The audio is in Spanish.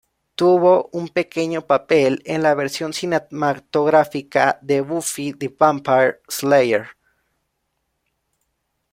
Tuvo un pequeño papel en la versión cinematográfica de "Buffy the Vampire Slayer".